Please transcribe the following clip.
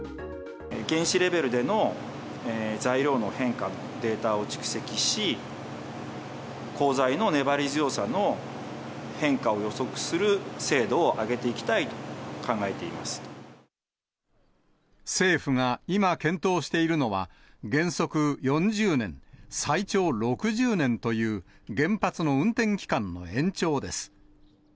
原子レベルでの材料の変化、データを蓄積し、鋼材の粘り強さの変化を予測する精度を上げていきたいと考えてい政府が今検討しているのは、原則４０年、最長６０年という、原発の運転期間の延長です。